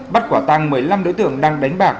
bắt quả tăng một mươi năm đối tượng đang đánh bạc